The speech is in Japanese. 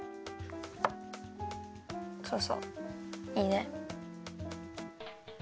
そうそういいね。